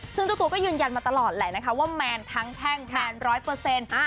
ซึ่งเจ้าตัวก็ยืนยันมาตลอดแหละนะคะว่าแมนทั้งแพ่งแมนร้อยเปอร์เซ็นต์